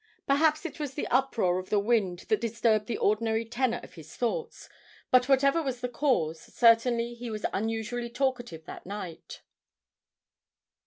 Perhaps it was the uproar of the wind that disturbed the ordinary tenor of his thoughts; but, whatever was the cause, certainly he was unusually talkative that night.